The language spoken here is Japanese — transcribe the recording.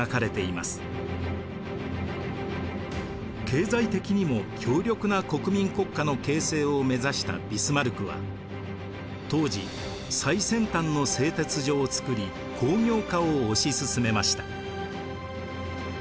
経済的にも強力な国民国家の形成を目指したビスマルクは当時最先端の製鉄所を作り工業化を推し進めました。